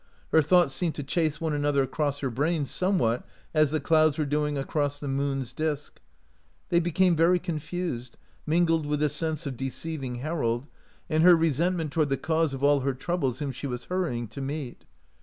Her thoughts seemed to chase one another across her brain somewhat as the clouds were doing across the moon's disk* They became very confused, mingled with the sense of deceiving Harold, and her re • 140 / OUT OF BOHEMIA sentment toward the cause of all her trou bles, whom she was hurrying to meet.